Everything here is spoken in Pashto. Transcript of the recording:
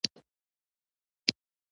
پاڼې د نبات د خوړو جوړولو فابریکې دي